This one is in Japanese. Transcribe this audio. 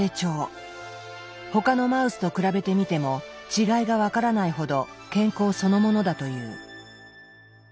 他のマウスと比べてみても違いが分からないほど健康そのものだという。